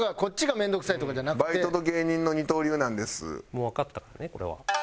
もうわかったからねこれは。